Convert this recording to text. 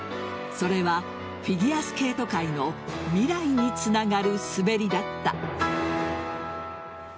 それはフィギュアスケート界の未来につながる滑りだった。